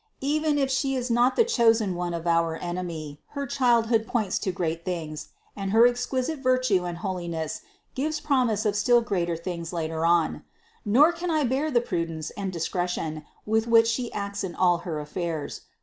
Even if She is not the one chosen as our enemy, her childhood points to great things and her exquisite virtue and holiness gives promise of still greater things later on ; nor can I bear the prudence and discretion with which She acts in all her affairs.